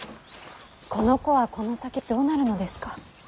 この子はこの先どうなるのですか。